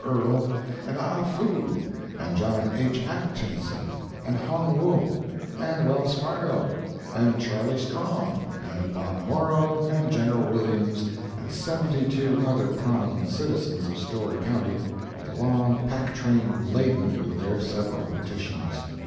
Earl, and Ah Foo, and John H. Atchinson, and Hong Wo, and Wells Fargo, and Charley Strong, and Bob Morrow, and Gen. Williams, and seventy two other prominent citizens of Storey county, with a long pack train laden with their several petitions.